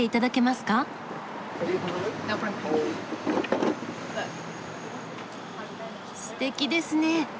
すてきですね。